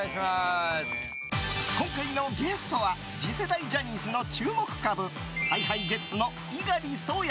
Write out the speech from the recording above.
今回のゲストは次世代のジャニーズの注目株ＨｉＨｉＪｅｔｓの猪狩蒼弥